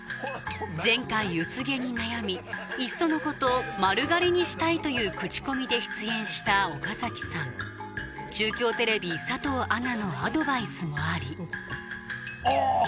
前回薄毛に悩みいっそのこと丸刈りにしたいというクチコミで出演した岡崎さん中京テレビ佐藤アナのアドバイスもありあっ。